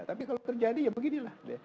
tapi kalau terjadi ya beginilah